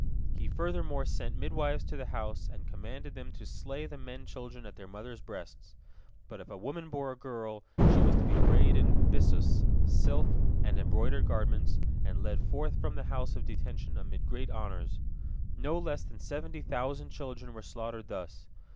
He furthermore sent midwives to the house, and commanded them to slay the men children at their mothers' breasts. But if a woman bore a girl, she was to be arrayed in byssus, silk, and embroidered garments, and led forth from the house of detention amid great honors. No less than seventy thousand children were slaughtered thus.